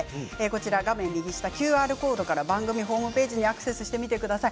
画面右下、ＱＲコードから番組ホームページにアクセスしてみてください。